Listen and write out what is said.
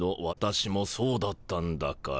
私もそうだったんだから」。